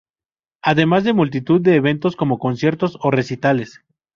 Además de multitud de eventos como conciertos, o recitales.